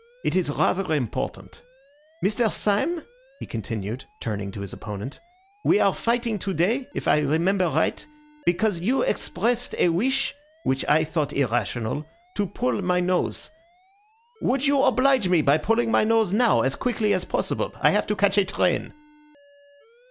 "It is rather important. Mr. Syme," he continued, turning to his opponent, "we are fighting today, if I remember right, because you expressed a wish (which I thought irrational) to pull my nose. Would you oblige me by pulling my nose now as quickly as possible? I have to catch a train."